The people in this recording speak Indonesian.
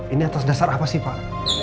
ini atas dasar apa sih pak